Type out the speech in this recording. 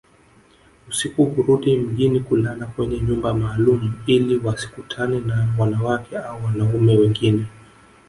Usiku hurudi mjini kulala kwenye nyumba maalumu ili wasikutane na wanawake au wanaume wengine